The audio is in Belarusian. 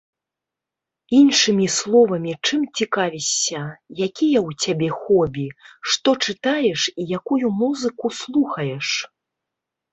Іншымі словамі чым цікавішся, якія ў цябе хобі, што чытаеш і якую музыку слухаеш?